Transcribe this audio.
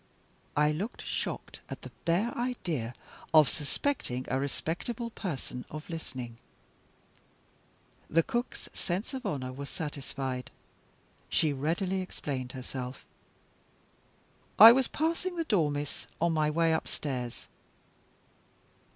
I looked shocked at the bare idea of suspecting a respectable person of listening. The cook's sense of honor was satisfied; she readily explained herself: "I was passing the door, miss, on my way upstairs."